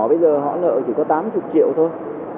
bây giờ họ nợ chỉ có tám mươi triệu thôi